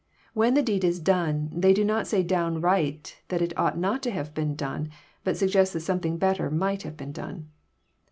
When the deed is done they do not say downright that it ought not to have been done, but suggest that something better might have been done